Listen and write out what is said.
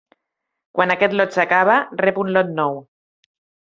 Quan aquest lot s'acaba rep un lot nou.